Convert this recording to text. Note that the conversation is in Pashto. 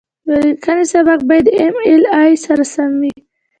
د لیکنې سبک باید د ایم ایل اې سره سم وي.